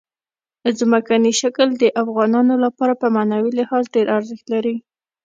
ځمکنی شکل د افغانانو لپاره په معنوي لحاظ ډېر ارزښت لري.